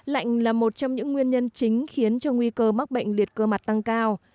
lạnh là một trong những nguyên nhân chính khiến cho nguy cơ mắc bệnh liệt cơ mặt tăng cao